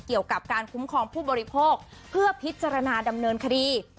เกี่ยวกับการคุ้มครองผู้บริโภคเพื่อพิจารณาดำเนินคดี